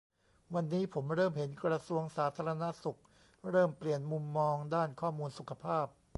วันนี้ผมเริ่มเห็นกระทรวงสาธารณสุขเริ่มเปลี่ยนมุมมองด้านข้อมูลสุขภาพ